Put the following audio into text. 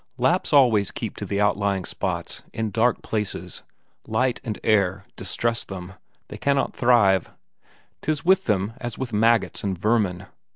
Lapps always keep to the outlying spots, in dark places; light and air distress them, they cannot thrive; 'tis with them as with maggots and vermin.